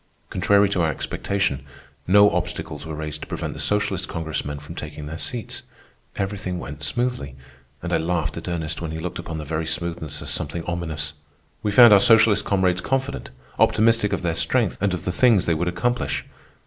Contrary to our expectation, no obstacles were raised to prevent the socialist Congressmen from taking their seats. Everything went smoothly, and I laughed at Ernest when he looked upon the very smoothness as something ominous. We found our socialist comrades confident, optimistic of their strength and of the things they would accomplish.